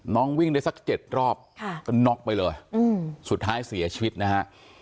วิ่งได้สัก๗รอบก็น็อกไปเลยสุดท้ายเสียชีวิตนะฮะ